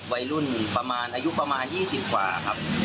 วัยรุ่นประมาณอายุประมาณ๒๐กว่าครับ